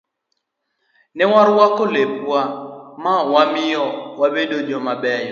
Ne warwako lepwa ma ne omiyo wabet jobeyo